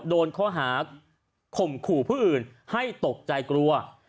โดนข้อหาข่มขู่ผู้อื่นให้ตกใจกลัว